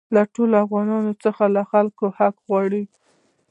له ټول افغانستان څخه له خلکو حق غواړي.